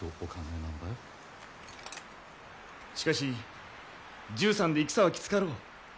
しかし１３で戦はきつかろう。